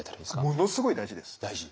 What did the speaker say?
ものすごい大事です。